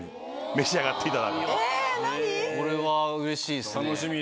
これはうれしいっすね。